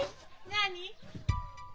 何？